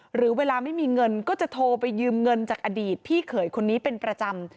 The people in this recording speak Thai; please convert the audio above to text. หรือเวลาไม่มีเงินก็จะโทรไปยืมเงินจากอดีตพี่เขยคนนี้เป็นประจำ